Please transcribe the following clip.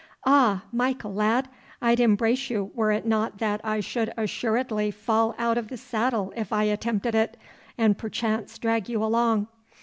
'Ah, Micah lad, I'd embrace you were it not that I should assuredly fall out of the saddle if I attempted it, and perchance drag you along.